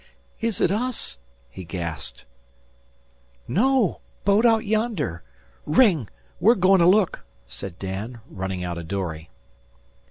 "Is it us?" he gasped. "No! Boat out yonder. Ring! We're goin' to look," said Dan, running out a dory.